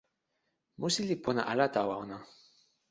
musi li pona ala tawa ona.